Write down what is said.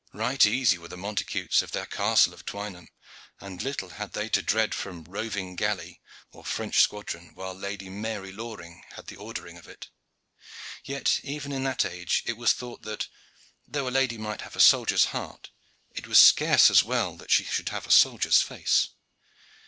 Right easy were the Montacutes of their Castle of Twynham, and little had they to dread from roving galley or French squadron, while Lady Mary Loring had the ordering of it. Yet even in that age it was thought that, though a lady might have a soldier's heart, it was scarce as well that she should have a soldier's face.